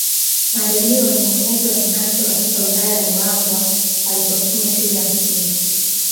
Majaliwa ni mwenyeji wa Mnacho katika Wilaya ya Ruangwa aliposoma shule ya msingi